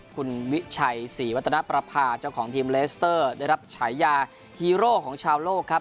คุณวิชัยศรีวัฒนประพาเจ้าของทีมเลสเตอร์ได้รับฉายาฮีโร่ของชาวโลกครับ